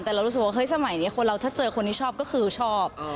แต่เรารู้สึกว่าเฮ้ยสมัยนี้คนเราถ้าเจอคนที่ชอบก็คือชอบ